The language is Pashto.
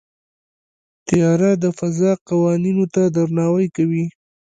طیاره د فضا قوانینو ته درناوی کوي.